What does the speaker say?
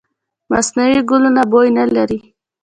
مصنوعي ګلونه بوی نه لري.